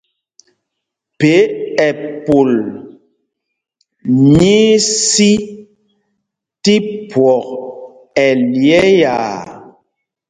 Phē ɛpul nyí í sī tí phwɔk ɛlyɛ̄ɛ̄â.